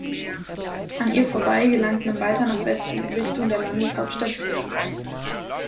An ihr vorbei gelangt man weiter nach Westen in Richtung der Landeshauptstadt Dili.